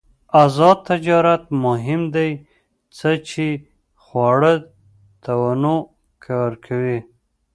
آزاد تجارت مهم دی ځکه چې خواړه تنوع ورکوي.